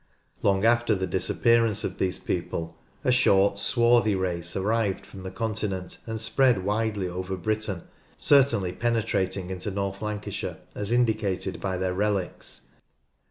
Long after the disappearance of these people, a short swarthy race arrived from the Continent and spread widely over Britain certainly penetrating into North Lancashire, as indicated by their relics.